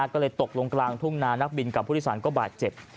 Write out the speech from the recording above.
ก็เลยตกลงกลางทุ่งนานักบินกับผู้โดยสารก็บาดเจ็บ